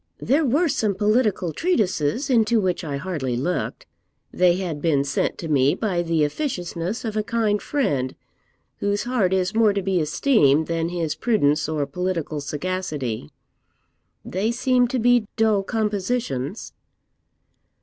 'There were some political treatises, into which I hardly looked. They had been sent to me by the officiousness of a kind friend, whose heart is more to be esteemed than his prudence or political sagacity; they seemed to be dull compositions.'